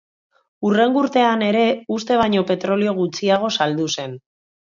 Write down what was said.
Hurrengo urtean ere uste baino petrolio gutxiago saldu zen.